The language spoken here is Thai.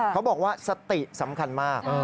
เขาบอกว่าสติสำคัญมาก